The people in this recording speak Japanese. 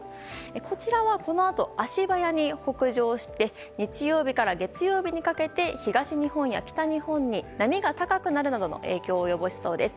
こちらは、このあと足早に北上して日曜日から月曜日にかけて東日本や北日本に波が高くなるなどの影響を及ぼしそうです。